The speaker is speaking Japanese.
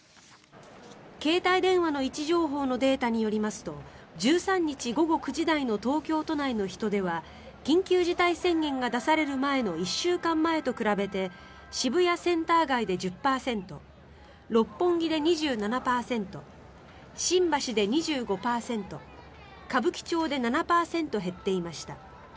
携帯電話の位置情報のデータによりますと１３日午後９時台の東京都内の人出は緊急事態宣言が出される前の１週間前と比べて渋谷センター街で１０％六本木で２７％新橋で２５％歌舞伎町で７％減っていました。